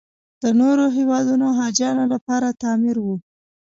د نورو هېوادونو حاجیانو لپاره تعمیر و.